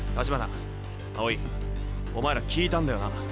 橘青井お前ら聞いたんだよな？